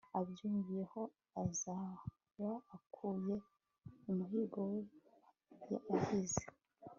abyumviyeho azaba akuye umuhigo we yahize